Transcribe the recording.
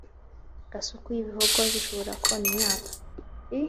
Gasuku y ibihogo Zishobora kona imyaka